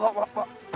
mbak mbak mbak